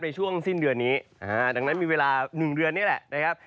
ในช่วงสิ้นเดือนนี้ดังนั้นมีเวลา๑เดือนนี่แหละนะครับ